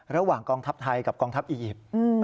ระหว่างกองทัพไทยกับกองทัพอียิปต์